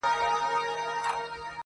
له حملو د غلیمانو له ستمه-